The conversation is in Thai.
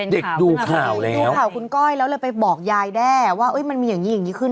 เด็กดูข่าวแล้วแล้วเลยไปบอกยายแด่มั่งว่ามันมีอย่างนี้อย่างงี้ขึ้น